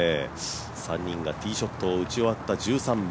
３人がティーショットを打ち終わった１３番。